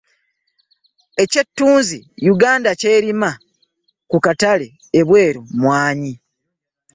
Eky'ettunzi Yuganda ky'erima ku katale ebweru mmwanyi.